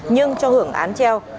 nhưng cho hưởng án treo